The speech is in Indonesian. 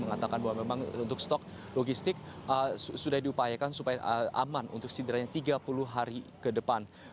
mengatakan bahwa memang untuk stok logistik sudah diupayakan supaya aman untuk setidaknya tiga puluh hari ke depan